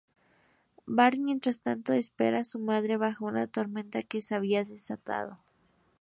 Bart, mientras tanto, espera a su padre, bajo una tormenta que se había desatado.